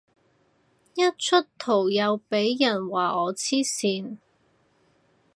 一出圖又俾人話我黐線